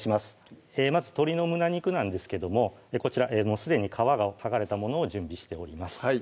まず鶏の胸肉なんですけどもこちらすでに皮が剥がれたものを準備しております